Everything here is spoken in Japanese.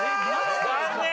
残念！